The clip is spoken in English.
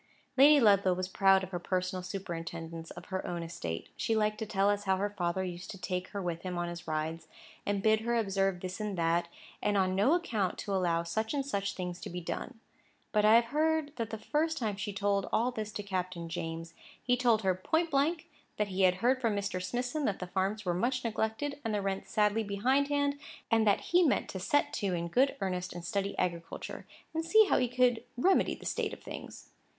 Lady Ludlow was proud of her personal superintendence of her own estate. She liked to tell us how her father used to take her with him in his rides, and bid her observe this and that, and on no account to allow such and such things to be done. But I have heard that the first time she told all this to Captain James, he told her point blank that he had heard from Mr. Smithson that the farms were much neglected and the rents sadly behindhand, and that he meant to set to in good earnest and study agriculture, and see how he could remedy the state of things.